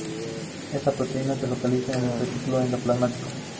Esta proteína se localiza en el retículo endoplásmico.